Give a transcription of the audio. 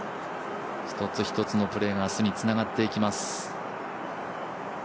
一つ一つのプレーが明日につながっていきます。